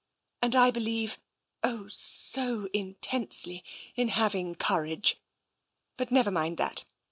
And I believe — oh, so intensely! — in having courage. But never mind that.